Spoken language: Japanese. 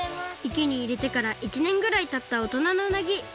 池にいれてから１ねんぐらいたったおとなのうなぎ。